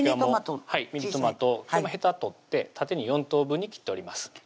はいミニトマトヘタ取って縦に４等分に切っております